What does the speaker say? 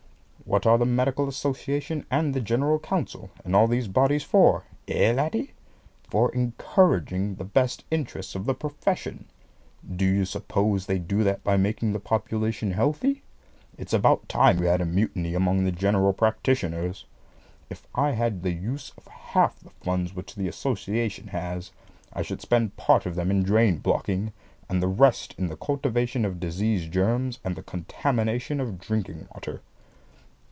What are the Medical Association and the General Council, and all these bodies for? Eh, laddie? For encouraging the best interests of the profession. Do you suppose they do that by making the population healthy? It's about time we had a mutiny among the general practitioners. If I had the use of half the funds which the Association has, I should spend part of them in drain blocking, and the rest in the cultivation of disease germs, and the contamination of drinking water."